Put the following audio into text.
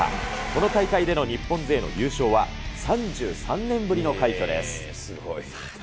この大会での日本勢の優勝は、３３年ぶりの快挙です。